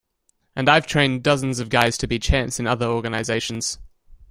And I've trained dozens of guys to be champs in other organizations.